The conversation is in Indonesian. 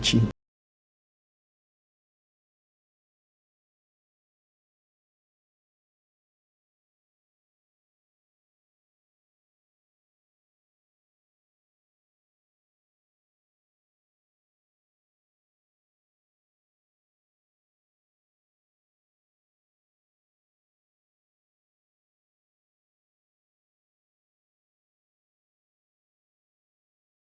tapi tetep aja dia ngacangin gue